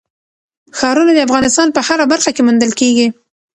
ښارونه د افغانستان په هره برخه کې موندل کېږي.